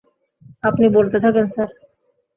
আপনি বলতে থাকেন, স্যার।